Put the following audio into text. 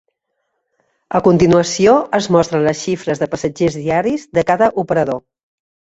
A continuació es mostren las xifres de passatgers diaris de cada operador.